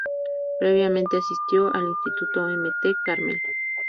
Previamente asistió al Instituto Mt. Carmel.